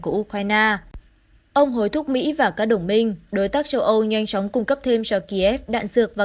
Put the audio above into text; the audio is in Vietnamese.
của ukraine ông hối thúc mỹ và các đồng minh đối tác châu âu nhanh chóng cung cấp thêm cho kiev đạn dược và